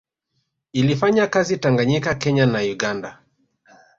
Ilifanya kazi Tanganyika Kenya na Uganda